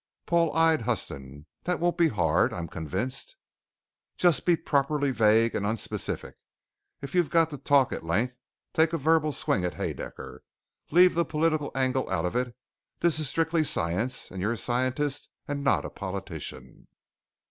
Paul eyed Huston. "That won't be hard. I'm convinced " "Just be properly vague and un specific. If you've got to talk at length, take a verbal swing at Haedaecker. Leave the political angle out of it; this is strictly science and you're a scientist and not a politician.